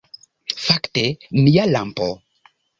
Fakte, mia lampo